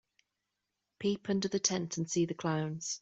Peep under the tent and see the clowns.